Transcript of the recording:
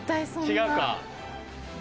違うか。